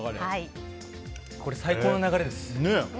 最高の流れです。